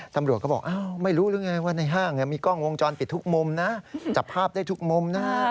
ตำรวจก็บอกไม่รู้หรือไงว่าในห้างมีกล้องวงจรปิดทุกมุมนะจับภาพได้ทุกมุมนะ